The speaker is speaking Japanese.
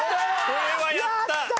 これはやった。